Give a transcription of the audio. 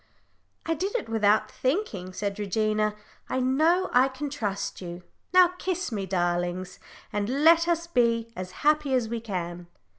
"I did it without thinking," said Regina. "I know I can trust you. Now kiss me, darlings, and let us be as happy as we can."